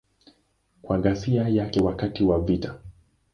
Kwa ghasia yake wakati wa vita.